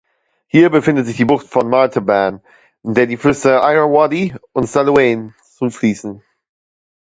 Hier befindet sich die Bucht von Martaban, der die Flüsse Irrawaddy und Saluen zufließen.